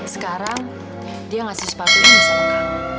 sekarang dia ngasih sepatu ini sama kamu